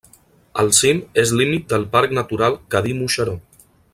El cim és límit del parc natural Cadí-Moixeró.